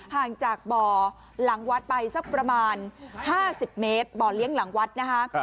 ห่างจากบ่อหลังวัดไปสักประมาณ๕๐เมตรบ่อเลี้ยงหลังวัดนะคะ